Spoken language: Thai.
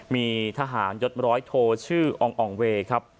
มีทหารยศร้อยโทชื่ออองอ่องเวย์ครับ